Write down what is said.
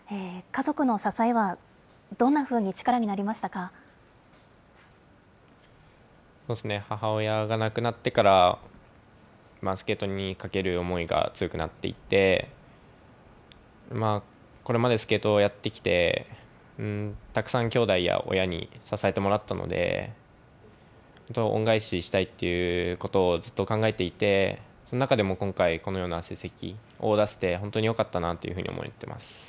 家族の支えはどんなふうに力にな母親が亡くなってから、スケートにかける思いが強くなっていって、これまでスケートをやってきて、たくさんきょうだいや親に支えてもらったので、恩返ししたいっていうことをずっと考えていて、その中でも今回、このような成績を出せて、本当によかったなというふうに思ってます。